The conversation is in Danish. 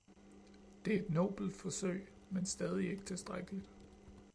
Det er et nobelt forsøg, men stadig ikke tilstrækkeligt.